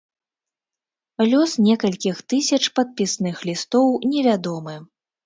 Лёс некалькіх тысяч падпісных лістоў невядомы.